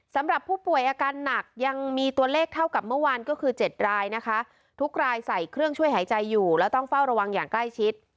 สำหรับผู้ป่วยอาการหนักยังมีตัวเลขเท่ากับเมื่อวานก็คือ๗รายนะคะทุกรายใส่เครื่องช่วยหายใจอยู่แล้วต้องเฝ้าระวังอย่างใกล้ชิด